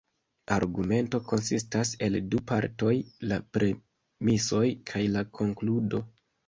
Argumento konsistas el du partoj: la premisoj kaj la konkludo.